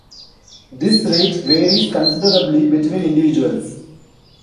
This rate varies considerably between individuals.